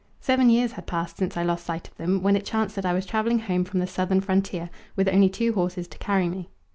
Seven years had passed since I lost sight of them, when it chanced that I was travelling home from the southern frontier, with only two horses to carry me.